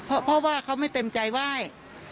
เพราะว่าเขาไม่เต็มใจไหว้